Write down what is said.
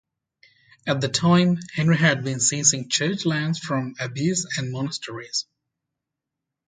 At the time, Henry had been seizing church lands from abbeys and monasteries.